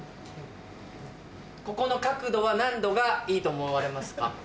ここの角度は何度がいいと思われますか？